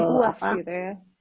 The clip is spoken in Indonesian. puas gitu ya